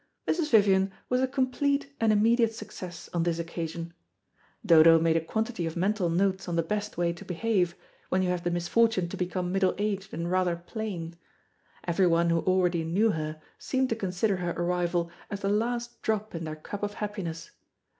Mrs. Vivian was a complete and immediate success on this occasion. Dodo made a quantity of mental notes on the best way to behave, when you have the misfortune to become middle aged and rather plain. Everyone who already knew her seemed to consider her arrival as the last drop in their cup of happiness.